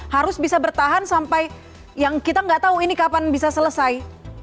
harus bisa bertahan sampai yang kita nggak tahu ini kapan bisa selesai